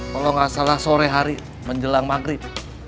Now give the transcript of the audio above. kalau nggak salah sore hari menjelang maghrib